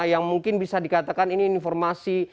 yang mungkin bisa dikatakan ini informasi